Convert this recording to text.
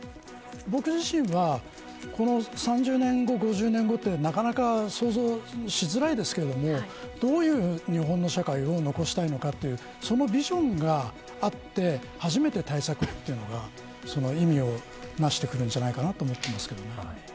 僕自身はこの３０年後、５０年後ってなかなか想像しづらいですけれどもどういう日本の社会を残したいのかというそのビジョンがあって初めて対策が意味を成してくるのではないかなと思っています。